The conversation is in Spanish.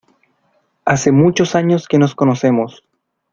Hace muchos años que nos conocemos.